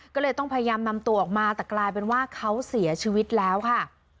ก็เลยต้องพยายามนำตัวออกมาแต่กลายเป็นว่าเขาเสียชีวิตแล้วค่ะ